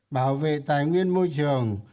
bảo vệ tài nguyên môi trường